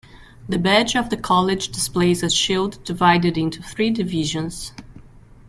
The badge of the College displays a shield divided into three divisions.